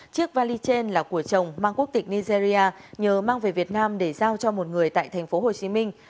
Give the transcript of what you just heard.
chiếc vali trên là của chồng mang quốc tịch nigeria nhờ mang về việt nam để giao cho một người tại thành phố hồ chí minh